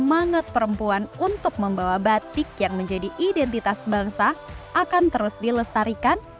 semangat perempuan untuk membawa batik yang menjadi identitas bangsa akan terus dilestarikan